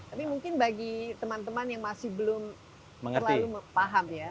tapi mungkin bagi teman teman yang masih belum terlalu paham ya